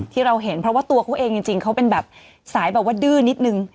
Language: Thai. ที่เราเห็นเพราะว่าตัวเขาเองจริงเขาเป็นแบบสายแบบว่าดื้อนิดนึง